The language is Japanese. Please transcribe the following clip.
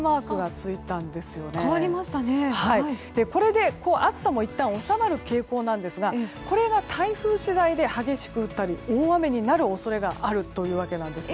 これで暑さもいったん収まる傾向ですがこれが台風次第で激しく降ったり大雨になる恐れがあるというわけなんです。